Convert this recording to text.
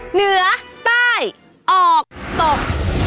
เหนือใต้ออกตก